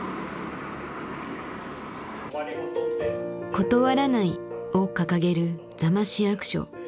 「断らない」を掲げる座間市役所。